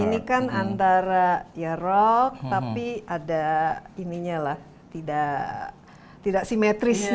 ini kan antara ya rock tapi ada ininya lah tidak simetris ya